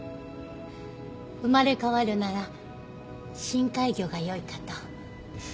生まれ変わるなら深海魚がよいかと。